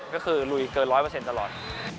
ก็คือลุยเกินร้อยเปอร์เซ็นต์ตลอด